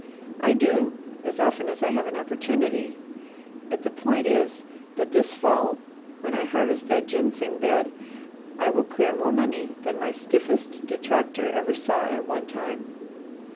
I do, as often as I have an opportunity. But the point is that this fall, when I harvest that ginseng bed, I will clear more money than my stiffest detractor ever saw at one time.